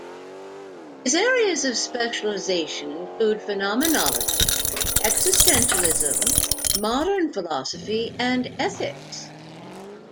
His areas of specialization include phenomenology, existentialism, modern philosophy, and ethics.